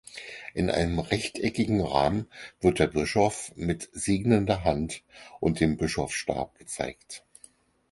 In einem rechteckigen Rahmen wird der Bischof mit segnender Hand und dem Bischofsstab gezeigt.